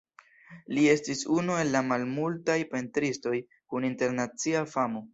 Li estis unu el la malmultaj pentristoj kun internacia famo.